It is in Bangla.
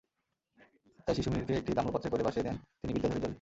তাই শিশু মিহিরকে একটি তাম্রপাত্রে করে ভাসিয়ে দেন তিনি বিদ্যাধরীর জলে।